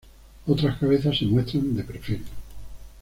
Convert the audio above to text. Otras cabezas se muestran de perfil.